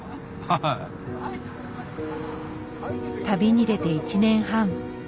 旅に出て１年半。